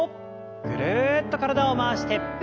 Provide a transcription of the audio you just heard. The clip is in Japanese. ぐるっと体を回して。